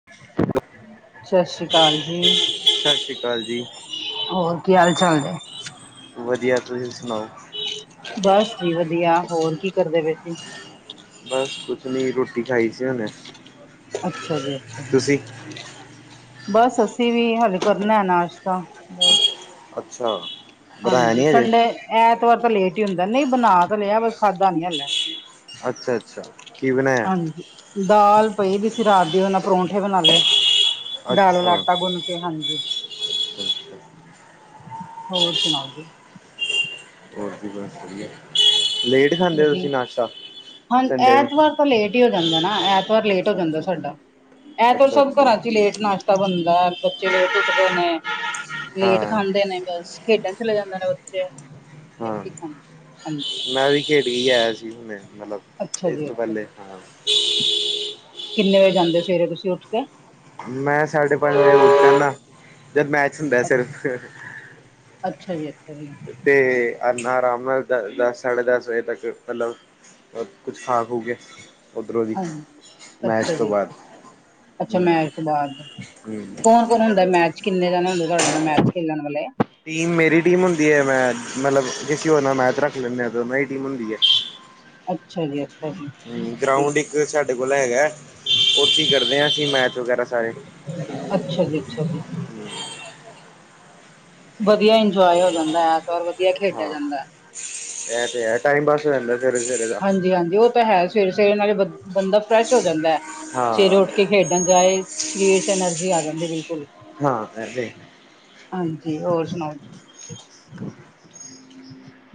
[inaudible] ਸਤਿ ਸ੍ਰੀ ਅਕਾਲ ਜੀ ਸਤਿ ਸ਼੍ਰੀ ਅਕਾਲ ਜੀ ਹੋਰ ਕੀ ਹਾਲ ਚਾਲ ਨੇ। ਵਧੀਆ, ਤੁਸੀਂ ਸੁਣਾਓ। ਬਸ ਵਧੀਆ ਹੋਰ ਕੀ ਕਰਦੇ ਪੇ ਸੀ। ਬਸ ਕੁਛ ਨੀ ਰੋਟੀ ਖਾਈ ਸੀ ਹੁਣੇ। ਅੱਛਾ ਜੀ ਅੱਛਾ। ਤੁਸੀਂ ਬਸ ਅਸੀਂ ਵੀ ਹਾਲੇ ਕਰਨਾ ਹੈ ਨਾਸ਼ਤਾ। ਅੱਛਾ। ਬਣਾਇਆ ਹਾਂਜੀ ਨੀ ਹਜੇ ਸੰਡੇ ਐਤਵਾਰ ਤਾਂ ਲੇਟ ਹੀ ਹੁੰਦਾ ਨਹੀਂ ਬਣਾ ਤਾਂ ਲਿਆ ਬਸ ਖਾਧਾ ਨੀ ਹਲੇ। ਅੱਛਾ-ਅੱਛਾ। ਹਾਂਜੀ ਦਾਲ ਪਈ ਦੀ ਸੀ ਰਾਤ ਦੀ ੳਹਦੇ ਨਾਲ ਪਰੌਂਠੇ ਬਣਾ ਲਏ। ਦਾਲ ਵਾਲਾ ਅੱਛਾ ਆਟਾ ਗੁੰਨ ਕੇ ਹਾਂਜੀ। ਅੱਛਾ ਹੋਰ ਸੁਣਾ ਤੁਸ ਹੋਰ ਜੀ ਬਸ ਵਧੀਆ ਲੇਟ ਖਾਂਦੇ ਹੋ ਤੁਸੀਂ ਵਧੀਆ ਨਾਸ਼ਤਾ। ਹਾਂ ਸੰਡੇ ਨੂੰ ਐਤਵਾਰ ਤਾਂ ਲੇਟ ਹੀ ਹੋ ਜਾਂਦਾ ਨਾ, ਐਤਵਾਰ ਲੇਟ ਹੋ ਅੱਛਾ ਜਾਂਦਾ ਅੱਛਾ ਸਾਡਾ। ਐਤਵਾਰ ਅੱਛਾ ਸਭ ਅੱਛਾ ਘਰਾਂ ਚ ਹੀ ਲੇਟ ਨਾਸ਼ਤਾ ਬਣਦਾ, ਬੱਚੇ ਲੇਟ ਉੱਠਦੇ ਨੇ ਲੇਟ ਹਾਂ ਖਾਂਦੇ ਨੇ ਬਸ ਖੇਡਣ ਚਲੇ ਜਾਂਦੇ ਨੇ ਬੱਚੇ ਹਾਂ ਲੇਟ ਹੀ ਖਾਂਦੇ ਹਾਂਜੀ ਮੈਂ ਵੀ ਖੇਡ ਹੀ ਆਇਆ ਸੀ ਹੁਣੇ, ਮਤਲਬ ਅੱਛਾ ਇਸ ਜੀ ਤੋਂ ਅੱਛਾ ਪਹਿਲੇ ਹਾਂ ਜੀ ਕਿੰਨੇ ਵਜੇ ਜਾਂਦੇ ਸਵੇਰੇ ਤੁਸੀ ਉੱਠ ਕੇ? ਮੈਂ ਸਾਢੇ ਪੰਜ ਵਜੇ ਉੱਠ ਜਾਨਾ, ਫਿਰ ਮੈਚ ਹੁੰਦਾ ਸਿਰਫ ਅੱਛਾ ਜੀ, ਅੱਛਾ ਜੀ। ਤੇ ਆਨਾ ਆਰਾਮ ਨਾਲ ਦਸ, ਸਾਢੇ ਦਸ ਵਜੇ ਤੱਕ ਮਤਲਬ ਕੁਛ ਖਾ ਖੂ ਕੇ ਉੱਧਰੋਂ ਦੀ, ਹਾਂਜੀ ਮੈਚ ਅੱਛਾ ਤੋਂ ਜੀ ਬਾਅਦ ਅੱਛਾ ਅੱਛਾ, ਹੂੰ ਮੈਚ ਤੋਂ ਬਾਅਦ, ਹੂੰ ਕੌਣ ਕੌਣ ਹੁੰਦਾ ਮੈਚ, ਕਿੰਨੇ ਜਾਣੇ ਹੁੰਦੇ ਤੁਹਾਡੇ ਨਾਲ ਮੈਚ ਖੇਲਣ ਵਾਲੇ? ਟੀਮ ਮੇਰੀ ਟੀਮ ਹੁੰਦੀ ਐ। ਮੈਂ ਮਤਲਬ ਕਿਸੀ ਹੋਰ ਨਾਲ ਮੈਚ ਰੱਖ ਲੈਂਦੇ ਆ, ਤੇ ੳਹਨਾ ਦੀ ਟੀਮ ਹੁੰਦੀ ਐ। ਅੱਛਾ ਜੀ ਅੱਛਾ ਜੀ ਹੂੰ, ਠੀਕ ਗਰਾਉਂਡ ਇੱਕ ਸਾਡੇ ਕੋਲ ਹੈਗਾ। ਔਥੇ ਈ ਕਰਦੇ ਆ ਅਸੀਂ ਮੈਚ ਵਗੈਰਾ ਸਾਰੇ। ਅੱਛਾ ਜੀ ਅੱਛਾ। ਵਧੀਆ ਇੰਜੋਏ ਹੋ ਜਾਂਦਾ ਐਤਵਾਰ ਵਧੀਆ ਖੇਡਿਆ ਜਾਂਦਾ। ਏਅ ਤੇ ਹੈ ਟਾਈਮ ਪਾਸ ਹੋਜਾਦਾ ਸਵੇਰੇ-ਸਵੇਰੇ ਦਾ। [inaudible] ਔ ਤਾਂ ਹੈ ਸਵੇਰੇ-ਸਵੇਰੇ ਨਾਲੇ ਬੰਦਾ ਫਰੈਸ਼ ਹੋ ਜਾਂਦਾ ਐ। ਸਵੇਰੇ ਉੱਠ ਹਾਂ ਕੇ ਖੇਡਣ ਜਾਏ, ਸਰੀਰ ਏਨਰਜੀ ਆ ਜਾਂਦੀ ਬਿਲਕੁਲ ਹਾਂ, ਏ ਤੇ ਹੈ। ਹਾਂਜੀ, ਹੋਰ ਸੁਣਾਓ? [inaudible]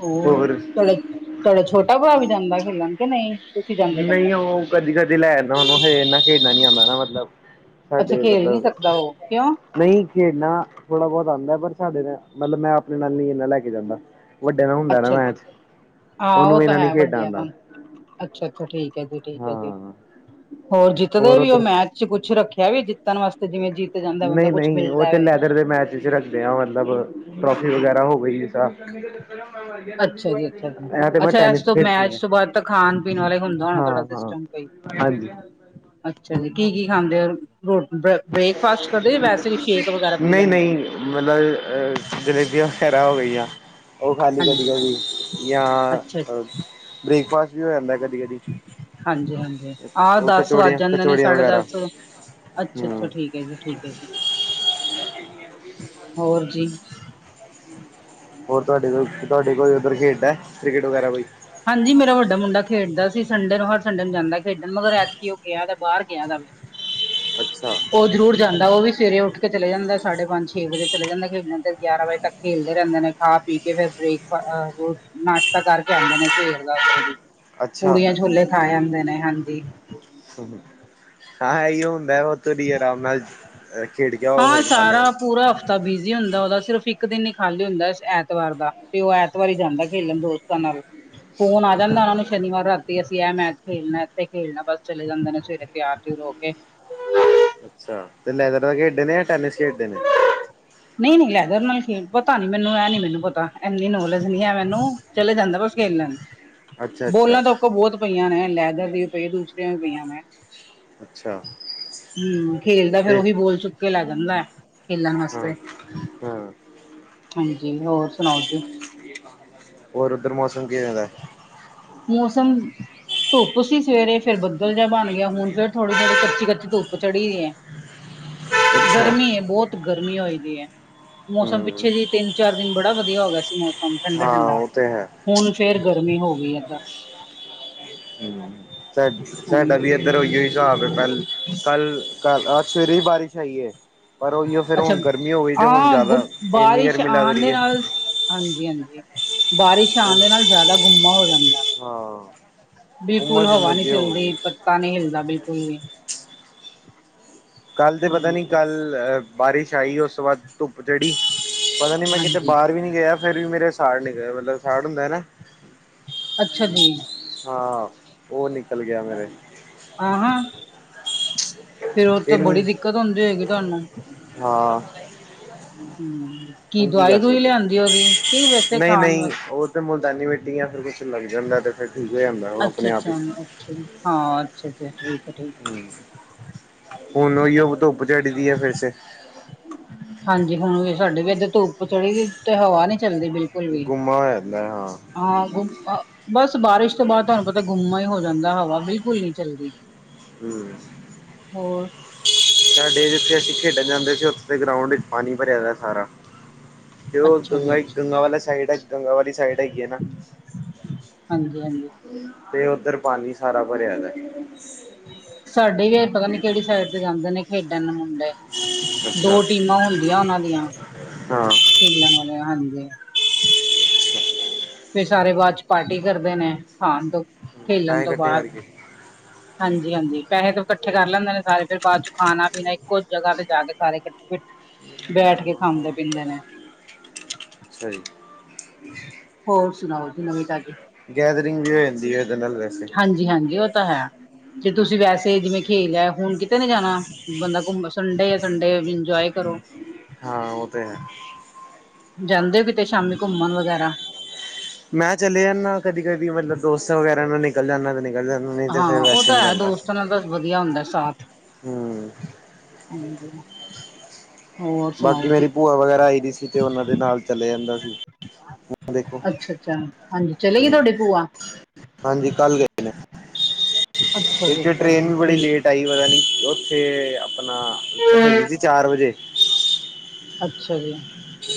ਹੋ ਹੋਰ ਤੁਹਾਡੇ ਤੁਹਾਡਾ ਛੋਟਾ ਭਰਾ ਵੀ ਜਾਂਦਾ ਏ ਖੇਲਣ ਕਿ ਨਹੀ। ਨਹੀਂ ਉਹ ਕਦੀ- ਕਦੀ ਲੈ ਜਾਂਨਾਂ ਉਹਨੂੰ ਹਜੇ ਇਨਾ ਖੇਡਣਾ ਨੀ ਆਉਂਦਾ ਮਤਲਬ ਅੱਛਾ ਸਾਡੇ ਖੇਲ ਨੀ ਮਤਲਬ ਸਕਦਾ ਉਹ। ਕਿਉਂ? ਨਹੀਂ ਖੇਡਣਾ ਥੋੜ੍ਹਾ ਬਹੁਤ ਆਉਂਦਾ ਪਰ ਸਾਡੇ ਨਾਲ ਮਤਲਬ ਮੈਂ ਅਪਣੇ ਨਾਲ ਨਈ ਇਨਾ ਲੈ ਕੇ ਜਾਂਦਾ। ਵੱਡੇ ਨਾਲ ਹੁੰਦਾ ਨਾ ਅੱਛਾ ਅੱਛਾ ਮੈਚ, ਉਹਨੂੰ ਇਹਨਾ ਨੀ ਖੇਡਣਾ ਆਦਾ। ਅੱਛਾ-ਅੱਛਾ, ਠੀਕ ਹੈ ਜੀ। ਠੀਕ ਹੈ ਜੀ। ਹਾਂ ਹੋਰ ਜਿੱਤਦੇ ਵੀ ਔ ਮੈਚ ਜੀ ਕੁੱਛ ਰੱਖਿਆ ਵੀ ਜਿੱਤਣ ਵਾਸਤੇ ਜਿਵੇਂ, ਜਿੱਤ ਜਾਂਦਾ ਬੰਦਾ ਕੁੱਛ ਮਿਲਦਾ ਏ। ਇੱਧਰ ਦੇ ਮੈਚ ਚ ਰੱਖਦੇ ਆ, ਮਤਲਬ ਟ੍ਰੋਫੀ ਵਗੈਰਾ ਹੋ ਗਈ ਜਿਸਰਾਂ ਅੱਛਾ ਜੀ, ਅੱਛਾ ਜੀ, ਅੱਛਾ, ਇਸ ਟੈਨਿਸ ਤੋਂ ਖੇਡਦੀ ਮੈਚ ਹੈ ਤੋਂ ਬਾਅਦ ਤਾਂ ਖਾਣ ਪੀਣ ਵਾਲਾ ਹੁੰਦਾ ਹੋਣਾ ਹਾਂ ਥੋੜਾ ਹਾਂ ਸਿਸਟਮ ਕਈ ਹਾਂਜੀ। ਅੱਛਾ ਜੀ। ਕੀ-ਕੀ ਖਾਂਦੇ ਔ? ਰੋਟੀ ਬ੍ਰੇਕਫਾਸਟ ਕਰਦੇ ਔ ਜਾਂ ਵੈਸੇ ਸ਼ੇਕ ਵਗੈਰਾ ਪੀ ਨਹੀਂ ਲੈਂਦੇ ਔ। ਨਹੀਂ ਮਤਲਬ ਜਲੇਬੀਆਂ ਵਗੈਰਾ ਹੋ ਗਈਆਂ ਓ ਖਾ ਲਈ ਹਾਂਜੀ ਕਦੀ-ਕਦੀ ਜਾਂ ਅੱਛਾ ਬ੍ਰੇਕਫਾਸਟ ਵੀ ਹੋ ਜਾਂਦਾ ਏ ਕਦੀ-ਕਦੀ। ਹਾਂਜੀ-ਹਾਂਜੀ। ਆਹ ਦਸ ਵੱਜ ਕਚੋੜੀਆਂ ਜਾਂਦੇ ਨੇ ਕਚੋੜੀਆਂ ਸਾਢੇ ਵਗੈਰਾ ਦਸ, ਅੱਛਾ- ਅੱਛਾ ਹਮ ਠੀਕ ਐ ਜੀ। ਠੀਕ ਹੈ। ਹੋਰ ਜੀ? ਹੋਰ ਤੁਹਾਡੇ ਕੋਲ, ਤੁਹਾਡੇ ਕੋਈ ਉੱਧਰ ਖੇਡਦਾ ਹੈ ਕ੍ਰਿਕਟ ਵਗੈਰਾ ਕੋਈ? ਹਾਂਜੀ ਮੇਰਾ ਵੱਡਾ ਮੁੰਡਾ ਖੇਡਦਾ ਸੀ। ਸੰਡੇ ਨੂੰ, ਹਰ ਸੰਡੇ ਜਾਂਦਾ ਖੇਡਣ ਮਗਰ ਐਤਕੀ ਓ ਗਿਆ ਦਾ, ਬਾਹਰ ਗਿਆ ਦਾ। [inaudible] ਅੱਛਾ ਉਹ ਜ਼ਰੂਰ ਜਾਂਦਾ। ਉਹ ਵੀ ਸਵੇਰੇ ਉੱਠ ਕੇ ਚਲੇ ਜਾਂਦਾ ਸਾਢੇ ਪੰਜ, ਛੇ ਵਜੇ ਚਲੇ ਜਾਂਦਾ ਖੇਡਣ ਤੇ ਗਿਆਰਾਂ ਵਜੇ ਤੱਕ ਓ ਖੇਲਦੇ ਰਹਿੰਦੇ ਨੇ ਖਾ ਪੀ ਕੇ ਫੇਰ ਬ੍ਰੇਕਫਾ ਅਹ ਨਾਸ਼ਤਾ ਕਰਕੇ ਆਦੇ ਨੇ ਖੇਡਦਾ ਹੈ ਜੀ, ਅੱਛਾ ਪੂੜੀਆਂ ਛੋਲੇ ਖਾ ਆਂਦੇ ਨੇ। ਹਾਂਜੀ। ਹਾ ਏਹੀਔ ਹੁੰਦਾ ਔਥੇ ਦੀ ਆਰਾਮ ਨਾਲ ਖੇਡ ਕੇ ਆੳ ਫੇਰ ਖਾ ਲਵੋ। ਤਾ ਬਿਜ਼ੀ ਹੁੰਦਾ ਉਹਦਾ ਸਿਰਫ਼ ਇੱਕ ਦਿਨ ਹੀ ਖਾਲੀ ਹੁੰਦਾ ਹੈ ਇਸ ਐਤਵਾਰ ਦਾ ਤੇ ਉਹ ਐਤਵਾਰ ਹੀ ਜਾਂਦਾ ਖੇਲਣ ਦੋਸਤ ਕਮਲ ਫੋਨ ਆ ਅੱਛਾ ਜਾਂਦਾ ਓਨਾਂ ਨੂੰ ਸ਼ਨੀਵਾਰ ਰਾਤੀ ਅਸੀਂ ਇਹ ਮੈਚ ਖੇਡਣਾ ਇੱਥੇ ਖੇਡਣਾ ਬਸ ਚਲੇ ਜਾਂਦੇ ਨੇ ਸਵੇਰੇ ਤਿਆਰ ਤੁਰ ਹੋ ਕੇ [inaudible] ਅੱਛਾ ਤੇ ਲੈਦਰ ਦਾ ਖੇਡਦੇ ਨੇ ਜਾਂ ਟੈਨਿਸ ਖੇਡਦੇ ਨੇ? ਨਹੀਂ ਲੈਦਰ ਨਲ ਖੇਡ ਪਤਾ ਨੀ ਮੈਨੂੰ, ਐ ਨੀ ਮੈਨੂੰ ਪਤਾ ਐੰਨੀ ਨੌਲੇਜ ਨਈ ਐ ਮੈਨੂੰ। ਚਲੇ ਜਾਂਦਾ ਬਸ ਖੇਲਣ ਅੱਛਾ ਅੱਛਾ ਬੋਲਾਂ ਤਾਂ ਉਹਕੋ ਬਹੁਤ ਪਈਆਂ ਨੇ ਲੈਦਰ ਦੀ ਵੀ ਪਈ ਦੂਸਰਿਆਂ ਵੀ ਪਈਆਂ ਨੇ। ਅੱਛਾ ਹੂੰ ਖੇਲਦਾ ਫੇਰ ਤੇ ਉਹੀ ਬੋਲ ਚੁੱਕ ਚੁੱਕ ਕੇ ਲੇ ਜਾਂਦਾ ਐ ਖੇਲਣ ਹਾਂ ਵਾਸਤੇ। ਹਾਂ ਹਾਂਜੀ, ਹੋਰ ਸੁਣਾਓ ਜੀ? ਹੋਰ ਉੱਧਰ ਮੌਸਮ ਕਿਵੇ ਦਾ? ਮੌਸਮ ਧੁੱਪ ਸੀਂ ਸਵੇਰੇ। ਫਿਰ ਬੱਦਲ ਜਹਾ ਬਣ ਗਿਆ ਹੁਣ ਫੇਰ ਥੋੜੀ-ਥੋੜੀ ਕੱਚੀ-ਕੱਚੀ ਧੁੱਪ ਚੜੀ ਦੀ ਹੈ ਅੱਛਾ ਗਰਮੀ ਐ ਬੋਤ। ਗਰਮੀ ਹੋਈ ਦੀ ਐ। ਮੌਸਮ ਹਮ ਪਿੱਛੇ ਜੀ ਤਿੰਨ ਚਾਰ ਦਿਨ ਬੜਾ ਵਧੀਆ ਹੋ ਗਿਆ ਸੀ ਮੌਸਮ ਠੰਡਾ ਹਾਂ ਠੰਡਾ ਉਹ ਤੇ ਹੈ ਹੁਣ ਫੇਰ ਗਰਮੀ ਹੋ ਗਈ ਏਧਰ ਹਮ ਸਾਡਾ ਹਾਂਜੀ। ਵੀ ਏਧਰ ਉਈ ਹੋਈ [unintelligible] ਕੱਲ ਕੱ ਅੱਜ ਸਵੇਰੇ ਹੀ ਬਾਰਿਸ਼ ਆਈ ਏ ਪਰ ਓਇਓ ਅੱਛਾ। ਆਹਂ ਇੰਨੀ ਬਾਰਿਸ਼ ਗਰਮੀ ਲੱਗ ਆਉਣ ਦੇ ਰਹੀ ਹੈ। ਨਾਲ ਹਾਂਜੀ- ਹਾਂਜੀ। ਬਾਰਿਸ਼ ਆਉਣ ਦੇ ਨਾਲ ਜ਼ਿਆਦਾ ਗੁੰਮਾ ਹੋ ਜਾਂਦਾ ਏ। ਹਾਂ ਬਿਲਕੁਲ ਉਮਸ ਹਵਾ ਉਮਸ ਨੀ ਜੇ ਹੋ ਚਲਦੀ ਗਈ। ਤਾਂ ਨਹੀਂ ਹਿਲਦਾ ਬਿਲਕੁਲ ਵੀ ਕੱਲ ਤੇ ਪਤਾ ਹਮ ਨੀ ਕੱਲ ਬਾਰਿਸ਼ ਆਈ, ਉਸ ਤੋਂ ਬਾਅਦ ਧੁੱਪ ਚੜੀ ਪਤਾ ਨੀ ਮੈਂ ਕਿਤੇ ਹਾਂਜੀ ਬਾਹਰ ਵੀ ਨੀ ਗਿਆ ਫੇਰ ਵੀ ਮੇਰੇ ਸਾੜ ਨਿਕਲ ਗਏ ਮਤਲਬ ਸਾੜ ਹੁੰਦਾ ਨਾਂ ਅੱਛਾ ਜੀ ਹਾਂ ਉਹ ਨਿਕਲ ਗਿਆ ਮੈਂ ਆਹ ਹਾਂ ਫਿਰ ਉਹਤੇ ਬੜੀ ਇੰਨੀ ਦਿੱਕਤ ਹੁੰਦੀ ਹੋਏਗੀ ਤੁਹਾਨੂੰ ਹਾਂ ਹਮ ਹੁਣ ਕੀ ਦਵਾਈ ਕਰ ਦਵੂਈ ਸਕਦੇ ਲਿਆਂਦੀ ਉਹਦੀ ਕੀ ਹਾਂ ਵੈਸੇ ਨਹੀਂ ਖਾਣ ਨਹੀਂ ਵਾਸਤੇ ਉਹ ਤੇ ਮੁਲਤਾਨੀ ਮਿੱਟੀ ਯਾਂ ਫਿਰ ਕੁਛ ਲੱਗ ਜਾਂਦਾ ਤੇ ਫੇਰ ਠੀਕ ਹੋ ਜਾਂਦਾ ਆਪਣੇ ਅੱਛਾ ਆਪ ਹੀ ਅੱਛਾ ਹਾਂ ਅੱਛਾ ਅੱਛਾ ਠੀਕ ਆ ਠੀਕ ਉਝੜੀ ਦੀ ਹੈ ਫਿਰ ਸੇ ਹਾਂਜੀ ਹੁਣ ਵੀ ਸਾਡੇ ਵੀ ਇਥੇ ਧੁੱਪ ਚੜੀ ਦੀ ਤੇ ਹਵਾ ਨੀ ਚੱਲਦੀ ਬਿਲਕੁਲ ਵੀ ਗੁੰਮਾ ਹੋ ਜਾਂਦਾ ਹੈ। ਹਾਂ ਬਸ ਬਾਰਿਸ਼ ਤੋਂ ਬਾਅਦ ਤੁਹਾਨੂੰ ਪਤਾ ਗੁੰਮਾ ਹੀ ਹੋ ਜਾਂਦਾ ਹਵਾ ਬਿਲਕੁਲ ਨਹੀਂੀ ਚੱਲਦੀ ਹਮ ਹੋਰ ਸਾਡੇ ਜਿੱਥੇ ਅਸੀਂ ਖੇਡਣ ਜਾਂਦੇ ਸੀ ਉੱਥੇ ਤੇ ਗਰਾਊਂਡ ਵਿੱਚ ਪਾਣੀ ਭਰਿਆ ਸਾਰਾ ਇਹ ਉਹ ਅੱਛਾ ਜੀ ਗੰਗਾ ਅੱਛਾ ਗੰਗਾ ਵਾਲਾ ਸਾਈਡ ਹੈ ਗੰਗਾ ਵਾਲੀ ਸਾਈਡ ਹੈਗੀ ਹੈ ਨਾ ਹਾਂਜੀ ਹਾਂਜੀ ਤੇ ਉਧਰ ਪਾਣੀ ਸਾਰਾ ਭਰਿਆ ਦਾ ਹੈ ਸਾਡੇ ਵੀ ਇਹ ਪਤਾ ਨੀ ਕਿਹੜੀ ਸਾਈਡ ਤੇ ਜਾਂਦੇ ਨੇ ਖੇਡਣ ਮੁੰਡੇ ਅੱਛਾ ਦੋ ਟੀਮਾਂ ਹੁੰਦੀਆਂ ਉਹਨਾਂ ਦੀਆਂ ਹਾਂ ਖੇਲਣ ਵਾਲੇ ਆਣਗੇ ਫਿਰ ਸਾਰੇ ਬਾਅਦ ਚ ਪਾਰਟੀ ਕਰਦੇ ਨੇ ਖਾਣ ਤੋਂ ਖੇਲਣ ਪੈਸੇ ਤੋਂ ਇਕੱਠੇ ਬਾਅਦ ਕਰਕੇ ਹਾਂਜੀ ਹਾਂਜੀ ਪੈਸੇ ਦੋ ਇਕੱਠੇ ਕਰ ਲੈਂਦੇ ਨੇ ਸਾਰੇ ਫੇਰ ਬਾਅਦ ਚ ਖਾਣਾ ਪੀਣਾ ਇੱਕੋ ਜਗ੍ਹਾ ਤੇ ਜਾ ਕੇ ਸਾਰੇ ਇਕੱਠੇ ਬੈਠ ਕੇ ਖਾਂਦੇ ਪੀਂਦੇ ਨੇ [unintelligible] ਹੋਰ ਸੁਣਾਓ ਜੀ ਨਵੀਂ ਤਾਜ਼ੀ ਗੈਦਰਿੰਗ ਵੀ ਹੋ ਜਾਂਦੀ ਇਹਦੇ ਨਾਲ ਤੇ ਹਾਂਜੀ ਹਾਂਜੀ ਉਹ ਤਾਂ ਹੈ ਤੇ ਤੁਸੀਂ ਵੈਸੇ ਜਿਵੇਂ ਖੇਲ ਲਿਆ ਹੁਣ ਕਿਤੇ ਨੀ ਜਾਣਾ ਬੰਦਾ ਘੁੰਮੇ ਸੰਡੇ ਸੰਡੇ ਇੰਜੋਏ ਕਰੋ ਹਾਂ ਉਹ ਤੇ ਹੈ ਜਾਂਦੇ ਕੀਤੇ ਸ਼ਾਮੀ ਘੁੰਮਣ ਵਗੈਰਾ ਮੈਂ ਚਲੇ ਜਾਂਦਾ ਕਦੀ ਕਦੀ ਮਤਲਬ ਦੋਸਤਾਂ ਵਗੈਰਾ ਨਾਲ ਨਿਕਲ ਜਾਂਦਾ ਤੇ ਨਹੀਂ ਪਾਹਲਾ ਹੁਣ ਨਹੀਂ ਤਾਂ ਫਿਰ ਹਾਂ ਉਹ ਵੈਸੇ ਤਾਂ ਨਹੀਂ ਹੈ ਜਾਂਦਾ ਦੋਸਤਾਂ ਨਾਲ ਤਾਂ ਵਧੀਆ ਹੁੰਦਾ ਸਾਥ ਹਮ ਹਾਂਜੀ ਹੋਰ ਸੁਣਾਓ ਬਾਕੀ ਮੇਰੀ ਜੀ ਭੂਆ ਵਗੈਰਾ ਆਈ ਦੀ ਸੀ ਤੇ ਉਹਨਾਂ ਦੇ ਨਾਲ ਚਲੇ ਜਾਂਦਾ ਸੀ ਦੇਖੋ ਅੱਛਾ ਅੱਛਾ ਹਾਂਜੀ ਚਲੇ ਗਏ ਹੂੰ ਤੁਹਾਡੇ ਭੂਆ ਹਾਂਜੀ ਕੱਲ ਗਏ ਨੇ ਅੱਛਾ ਜੀ ਇੱਥੇ ਅੱਛਾ ਟ੍ਰੇਨ ਜੀ ਵੀ ਬੜੀ ਠੀਕ ਲੇਟ ਢਾਈ ਵਜਾ ਨੀ ਉੱਥੇ ਆਪਣਾ ਹੈਗੀ ਸੀ ਚਾਰ ਵਜੇ ਅੱਛਾ ਜੀ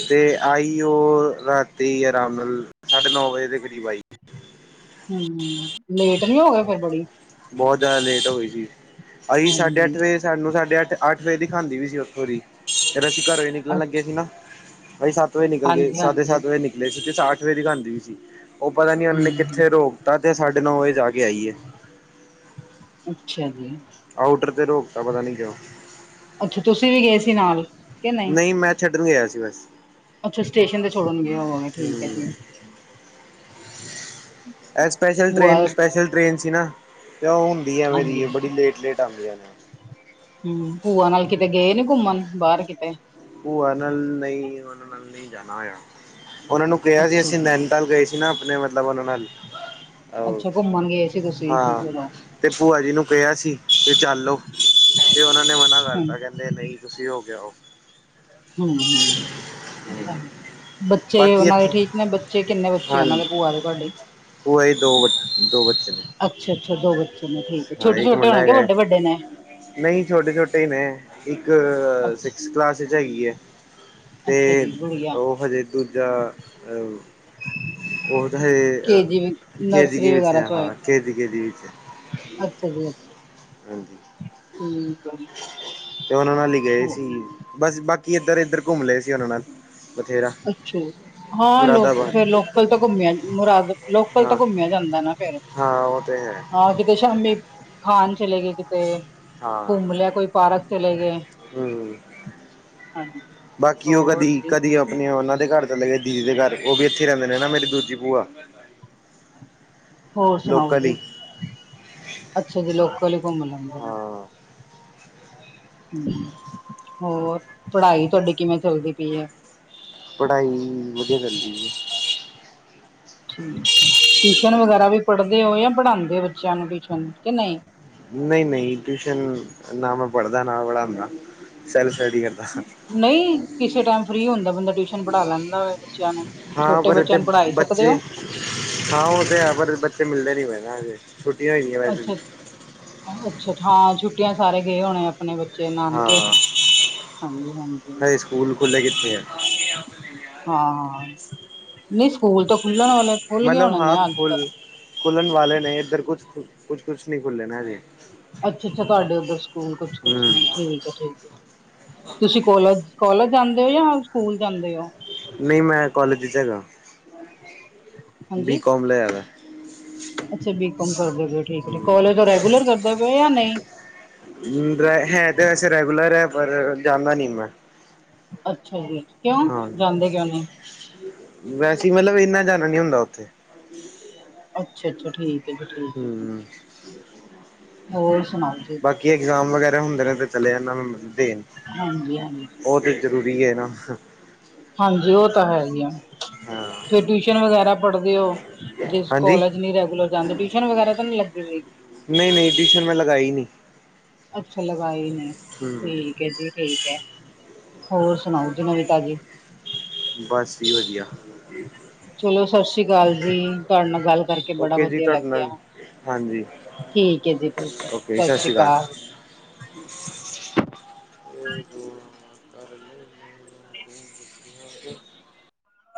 ਤੇ ਆਈ ਉਹ ਰਾਤੀ ਆਰਾਮ ਨਾਲ ਸਾਢੇ ਨੌ ਵਜੇ ਦੇ ਕਰੀਬ ਆਈ ਹਮ ਲੇਟ ਨੀ ਹੋਏ ਫੇਰ ਬੜੀ ਬਹੁਤ ਜ਼ਿਆਦਾ ਲੇਟ ਹੋ ਗਏ ਸੀ ਅਸੀਂ ਸਾਡੇ ਹਾਂਜੀ ਅੱਠ ਵਜੇ ਸਾਨੂੰ ਸਾਡੇ ਅੱਠ ਅੱਠ ਵਜੇ ਦਿਖਾਂਦੀ ਵੀ ਸੀ ਉੱਥੋਂ ਦੀ ਫਿਰ ਅਸੀਂ ਘਰੋਂ ਨਿਕਣ ਲੱਗੇ ਅੱਛ ਸੀ ਨਾ ਅਸੀਂ ਸੱਤ ਵਜੇ ਨਿਕਲ ਗਏ ਸਾਢੇ ਹਾਂਜੀ-ਹਾਂਜੀ ਸੱਤ ਵਜੇ ਨਿਕਲੇ ਸੀ ਤੇ ਅੱਠ ਵਜੇ ਘਰ ਗਏ ਸੀ। ਉਹ ਪਤਾ ਨੀ ਉਹਨਾਂ ਨੇ ਹੂੰ ਕਿੱਥੇ ਰੋਕ ਤਾਂ ਤੇ ਸਾਡੇ ਨੌ ਵਜੇ ਜਾ ਕੇ ਆਈਏ। ਅੱਛਾ ਜੀ। ਆਊਟਰ ਤੇ ਰੋਕ ਤਾਂ ਪਤਾ ਨੀ ਕਿਉਂ ਅੱਛਾ। ਤੁਸੀਂ ਵੀ ਗਏ ਸੀ ਨਾਲ। ਨਹੀਂ ਮੈਂ ਛੱਡਣ ਗਿਆ ਸੀ ਬਸ ਅੱਛਾ ਸਟੇਸ਼ਨ ਤੇ ਛੋੜਨਗੇ ਹੋਵੋਗੇ ਠੀਕ ਹੈ ਜੀ ਏਹ ਸਪੈਸ਼ਲ ਭੂਆ ਟ੍ਰੇਨ ਸਪੈਸ਼ਲ ਟ੍ਰੇਨ ਸੀ ਨਾ ਤੇ ਓ ਹੁਣ ਮੇਰੀ ਹਾਂਜੀ, ਬੜੀ ਲੇਟ ਲੇਟ ਆਂਦੀ ਹਾ ਹਮ ਭੂਆ ਨਾਲ ਕਿਤੇ ਗਏ ਨੀ ਘੁੰਮਣ ਬਾਹਰ ਕਿਤੇ ਭੂਆ ਨਾਲ ਨਹੀਂ ਉਹਨਾਂ ਨਾਲ ਨਹੀਂ ਜਾਣਾ ਆ ਉਹਨਾਂ ਨੂੰ ਕਿਹਾ ਸੀ ਅੱਛਾ ਅਸੀਂ ਜੀ ਨਾਨੀ ਕਲ ਗਏ ਸੀ ਨਾ ਆਪਣੇ ਮਤਲਬ ਉਹਨਾਂ ਨਾਲ ਅੱਛਾ। ਘੁੰਮਣ ਗਏ ਸੀ ਤੁਸੀਂ ਹਾਂ ਚਲੋ। ਤੇ ਭੂਆ ਜੀ ਨੂੰ ਕਿਹਾ ਸੀ ਤੇ ਚੱਲੋ ਤੇ ਉਹਨਾਂ ਨੇ ਮਨਾ ਕਰਤਾ ਕਹਿੰਦੇ ਨਹੀਂ ਤੁਸੀਂ ਹੋ ਕੇ ਆਉ। ਹਮ। ਬੱਚੇ ਬਾਕੀ ਉਹਨਾਂ ਦੇ ਇੱਥੇ ਠੀਕ ਨੇ ਬੱਚੇ ਕਿੰਨੇ ਬੱਚੇ ਉਹਨਾਂ ਦੇ ਭੂਆ ਦੇ ਤੁਹਾਡੇ ਭੂਆਂ ਜੀ ਦੇ ਦੋ ਦੋ ਬੱਚੇ ਨੇ। ਅੱਛਾ - ਅੱਛਾ ਦੋ ਬੱਚੇ ਨੇ ਠੀਕ ਹੈ ਹਾਂ ਛੋਟ ਇੱਕ ਛੋਟੇ ਮੁੰਡਾ ਹੋਣਗੇ ਹੈਗਾ ਵੱਡੇ ਵੱਡੇ ਨੇ ਨਹੀਂ ਛੋਟੇ ਛੋਟੇ ਨੇ ਇੱਕ ਅੱਛਾ ਸਿਕਸ ਕਲਾਸ ਚ ਹੈਗੀ ਐਂ। ਅੱਛਾ ਅਤੇ ਜੀ ਗੁੜੀਆ ਉਹ ਹਜੇ ਦੂਜਾ ਉਹ ਤਾਂ ਹ ਕੇ ਜੀ ਕੇ ਜੀ ਨਰਸਰੀ ਵਿੱਚ ਵਗੈਰਾ ਹੈ ਤੋਂ ਕੇ ਜੀ ਵਿੱਚ। ਅੱਛਾ ਜੀ ਅੱਛਾ ਹਾਂਜੀ ਜੀ ਠੀਕ ਆ ਤੇ ਉਹਨਾਂ ਨਾਲ ਹੀ ਗਏ ਸੀ ਬਸ ਬਾਕੀ ਇੱਧਰ ਇੱਧਰ ਘੁੰਮ ਰਹੇ ਸੀ ਉਹਨਾਂ ਨਾਲ ਬਥੇਰਾ ਅੱਛਾ। ਹਾਂ। ਲੋਕ ਮੁਰਾਦਾਬਾਦ ਫੇਰ ਲੋਕਲ ਤਾਂ ਘੁੰਮਿਆ ਮੁਰਾਦ ਲੋਕਲ ਤਾਂ ਹਾਂ ਘੁੰਮਿਆ ਜਾਂਦਾ ਨਾ ਫੇਰ ਹਾਂ ਉਹ ਤੇ ਹੈ। ਹਾਂ। ਕਿਤੇ ਸ਼ਾਮੀ ਖਾਣ ਚਲੇ ਗਏ ਕਿਤੇ ਹਾਂ ਘੁੰਮ ਲਿਆ ਕੋਈ ਪਾਰਕ ਚਲੇ ਗਏ। ਹਮ। ਹਾਂਜੀ, ਬਾਕੀ ਉਹ ਹੋਰ ਕਦੀ ਜੀ। ਕਦੀ ਆਪ ਨਹੀਂ ਉਹਨਾਂ ਦੇ ਘਰ ਚੱਲ ਗਏ ਦੀਦੀ ਦੇ ਘਰ ਉਹ ਵੀ ਇੱਥੇ ਰਹਿੰਦੇ ਨੇ ਨਾ ਮੇਰੀ ਦੂਜੀ ਭੂਆ ਹੋਰ ਸੁਣਾਓ ਲੋਕਲ ਜੀ ਹੀ ਅੱਛਾ ਜੀ ਲੋਕਲ ਹੀ ਘੁੰਮ ਲੈਂਦੇ ਹੋਣੇ। ਹਾਂ ਹੋਰ ਪੜ੍ਹਾਈ ਤੁਹਾਡੀ ਕਿਵੇਂ ਚੱਲਦੀ ਪਈ ਹੈ। ਪੜ੍ਹਾਈ ਵਧੀਆ ਚਲਦੀ ਹੈ। ਟਿਊਸ਼ਨ ਹਾਂਜੀ ਵਗੈਰਾ ਵੀ ਪੜ੍ਹਦੇ ਹੋ ਜਾਂ ਪੜਾਂਦੇ ਹੋ ਬੱਚਿਆਂ ਨੂੰ ਟਿਊਸ਼ਨ ਕਿ ਨਹੀਂ ਨਹੀਂ - ਨਹੀਂ ਟਿਊਸ਼ਨ ਨਾ ਮੈਂ ਪੜ੍ਹਦਾ ਨਾ ਪੜ੍ਹਾਦਾ ਸਟਡੀ ਕਰਦਾ ਨਹੀਂ ਕਿਸੇ ਟਾਈਮ ਫਰੀ ਹੁੰਦਾ ਬੰਦਾ ਟਿਊਸ਼ਨ ਪੜ੍ਹਾ ਲੈਂਦਾ ਬੱਚਿਆਂ ਨੂੰ ਹਾਂ ਛੋਟੇ ਪਰ ਬੱਚਿਆਂ ਇੱਥੇ ਨੂੰ ਪੜ੍ਹਾਈ ਸਕਦੇ ਬੱਚੇ ਹੋ ਹਾਂ ਉਹ ਤੇ ਹੈ ਪਰ ਬੱਚੇ ਮਿਲਦੇ ਨੀ ਪਏ ਨਾ ਹਜੇ ਛੁੱਟੀਆਂ ਹੋਈਆਂ ਵੈਸੇ ਵੀ। ਅੱਛਾ ਅੱਛਾ ਹਾਂ ਛੁੱਟੀਆਂ ਸਾਰੇ ਗਏ ਹੋਣੇ ਆਪਣੇ। ਚੇ ਹਾਂ ਨਾਨਕੇ ਹਾਂਜੀ - ਹਾਂਜੀ। ਹਜੇ ਸਕੂਲ ਖੁੱਲ੍ਹੇ ਕੀਤੇ ਆ। ਹਾਂ ਨਹੀਂ ਸਕੂਲ ਤਾਂ ਖੁੱਲਣ ਵਾਲੇ ਖੁੱਲ ਗਏ ਮਤਲਬ ਹੋਣੇ ਨੇ ਹਾਂ ਅੱਜ ਤ। ਖੁੱਲ ਖੁੱਲਣ ਵਾਲੇ ਨੇ ਇੱਧਰ ਕੁਛ - ਕੁਛ ਕੁਛ ਕੁਛ ਨੀ ਨਾ ਖੁੱਲੇ ਹਜੇ। ਅੱਛਾ-ਅੱਛਾ ਤੁਹਾਡੇ ਉੱਧਰ ਸਕੂਲ ਹਮ ਕੁਛ-ਕੁਛ ਨੇ ਠੀਕ ਹੈ ਠੀਕ। ਤੁਸੀਂ ਕੋਲਜ ਜਾਂਦੇ ਹੋ ਜਾਂ ਸਕੂਲ ਜਾਂਦੇ ਹੋ। ਨਹੀਂ ਮੈਂ ਕੋਲਜ ਚ ਹੈਗਾ ਬੀ ਹਾਂਜੀ ਕੌਮ ਲੈ ਵ। ਅੱਛਾ ਬੀ ਕੌਮ ਕਰਦੇ ਪਏ ਠੀਕ ਹੈ ਹਮ ਕੋਲਜ ਰੈਗੂਲਰ ਕਰਦੇ ਪਏ ਜਾਂ ਨਹੀਂ ਹੈ ਤੇ ਵੈਸੇ ਰੈਗੂਲਰ ਹੈ ਪਰ ਜਾਂਦਾ ਨੀ ਮੈਂ। ਅੱਛਾ ਜੀ। ਕਿਉਂ ਹਾਂ, ਜਾਂਦੇ ਕਿਉਂ ਨਹੀਂ ਵੈਸੇ ਮਤਲਬ ਇੰਨਾ ਜਾਣਾ ਨੀ ਹੁੰਦਾ, ਉੱਥੇ। ਅੱਛਾ-ਅੱਛਾ ਠੀਕ। ਹੈ ਜੀ ਠੀਕ ਹੈ ਜੀ ਹੂੰ। ਹੋਰ ਸੁਣਾਓ ਜੀ ਬਾਕੀ ਐਗਜ਼ਾਮ ਵਗੈਰਾ ਹੁੰਦੇ ਨੇ, ਤੇ ਚਲੇ ਜਾਨਾ ਵਾਂ, ਦੇਣ। ਹਾਂਜੀ-ਹਾਂਜੀ। ਉਹ ਤੇ ਜ਼ਰੂਰੀ ਏ, ਨਾ। ਹਾਂਜੀ, ਉਹ ਤਾਂ ਹੈਹੀ ਆ, ਹਾਂ ਫਿਰ ਟਿਊਸ਼ਨ ਵਗੈਰਾ ਪੜ੍ਹਦੇ ਓ ਜਿਸ ਹਾਂਜੀ ਕੋਲੇਜ ਨੀ ਰੈਗੂਲਰ ਜਾਂਦੇ, ਟਿਊਸ਼ਨ ਵਗੈਰਾ ਤਾਂ ਨਹੀਂ ਲੱਗਦੇ ਸੀ। ਨਹੀਂ-ਨਹੀਂ ਟਵੀਸ਼ਨ ਮੈਂ ਲਗਾਈ ਨਹੀ। ਅੱਛਾ ਲਗਾਈ ਨਹੀ, ਹਮ ਠੀਕ ਹੈ ਜੀ, ਠੀਕ ਐ। ਹੋਰ ਸੁਣਾਓ ਜੀ, ਨਵੀ-ਤਾਜ਼ੀ? ਬਸ ਜੀ ਵਧੀਆ। ਚਲੋ ਸਤਿ ਸ੍ਰੀ ਅਕਾਲ ਜੀ, ਤੁਹਾਡੇ ਨਾਲ ਗੱਲ ਕਰਕੇ ਬੜਾ ਓਕੇ ਜੀ ਵਧੀਆ ਤੁਹਾਡੇ ਲੱਗਿਆ। ਨਾਲ ਹਾਂਜੀ ਠੀਕ ਏ ਜੀ, ਠੀਕ ਹੈ, ਸਤਿ ਸ਼੍ਰੀ ਅਕਾਲ। [inaudible] ਹਾਂ ਦੁਆ [unintelligible] ਕਰ ਲੈਨੇ ਨਾ [unintelligible]